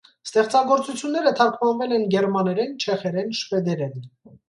Ստեղծագործությունները թարգմանվել են գերմաներեն, չեխերեն, շվեդերեն։